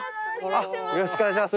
よろしくお願いします。